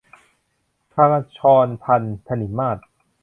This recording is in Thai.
พชรภรณ์ ถนิมมาศ